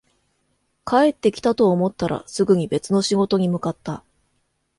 帰ってきたと思ったら、すぐに別の仕事に向かった